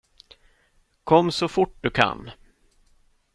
Kom så fort du kan.